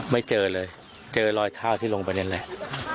ไม่เจอเลยเจอรอยเท้าที่ลงไปนั่นแหละ